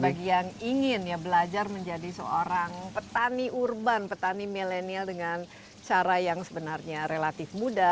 dan bagi yang ingin ya belajar menjadi seorang petani urban petani milenial dengan cara yang sebenarnya relatifnya